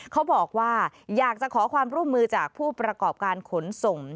เขาบอกว่าอยากจะขอความร่วมมือจากผู้ประกอบการขนส่ง